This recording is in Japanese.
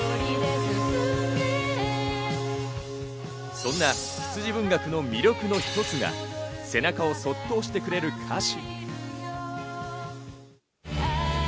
そんな羊文学の魅力の一つが背中をそっと押してくれる歌詞。